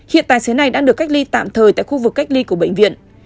hiện tài xế này đang được cách ly tạm thời tại khu vực cách ly của bệnh viện